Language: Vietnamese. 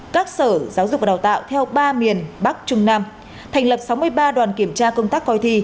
các sở giáo dục và đào tạo theo ba miền bắc trung nam thành lập sáu mươi ba đoàn kiểm tra công tác coi thi